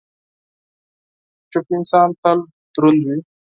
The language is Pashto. چپ انسان، تل دروند وي.